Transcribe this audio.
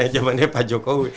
jamannya pak jokowi